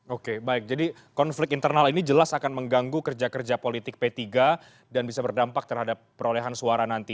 oke baik jadi konflik internal ini jelas akan mengganggu kerja kerja politik p tiga dan bisa berdampak terhadap perolehan suara nanti